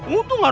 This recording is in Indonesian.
untung ada gua